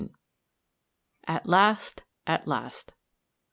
AT LAST AT LAST.